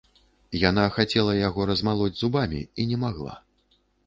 Яна хацела яго размалоць зубамі і не магла.